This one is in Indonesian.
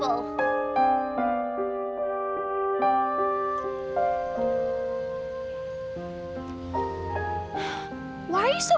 kenapa kamu begitu diam